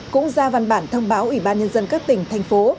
cũng ra văn bản thông báo ủy ban nhân dân các tỉnh thành phố